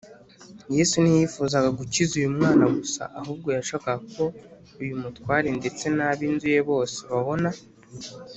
Yesu ntiyifuzaga gukiza uyu mwana gusa, ahubwo yashakaga ko uyu mutware ndetse n’ab’inzu ye bose babona